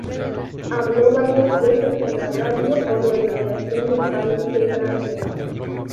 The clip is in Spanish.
Habló varias veces en la radio por la liberación del país de Francia.